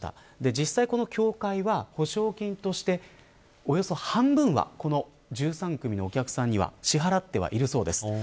実際、この協会は保証金としておよそ半分は１３組のお客さんには支払ってはいるそうです。